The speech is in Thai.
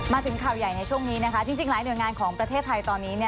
มาถึงข่าวใหญ่ในช่วงนี้นะคะจริงหลายหน่วยงานของประเทศไทยตอนนี้